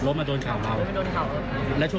กระตุกเมื่อยครับเหลี่ยมเมื่อยครับ